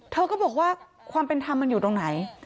เธอก็บอกว่าความเป็นธรรมมันอยู่ตรงไหน